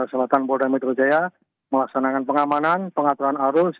selatan polda metro jaya melaksanakan pengamanan pengaturan arus